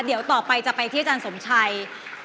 เดี๋ยวต่อไปจะไปที่อาจารย์สมชัย